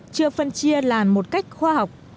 chưa phân chia làn một cách khoa học